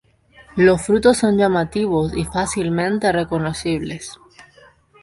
Los frutos son llamativos y fácilmente reconocibles.